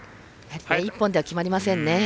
１本では決まりませんね。